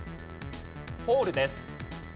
ホールです。